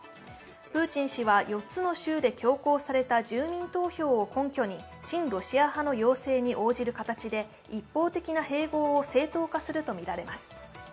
プーチン氏は、４つの州で強行された住民投票を根拠に、親ロシア派の要請に応じる形で一方的な併合を正当化するとみられます。